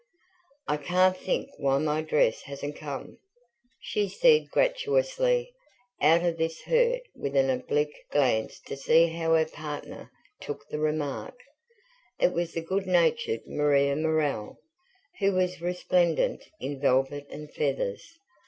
"I can't think why my dress hasn't come," she said gratuitously, out of this hurt, with an oblique glance to see how her partner took the remark: it was the good natured Maria Morell, who was resplendent in velvet and feathers.